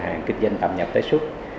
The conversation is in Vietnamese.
hàng kinh doanh tạm nhập tái xuất